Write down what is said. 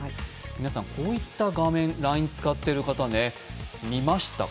皆さんこういった画面、ＬＩＮＥを使ってる方ね、見ましたか？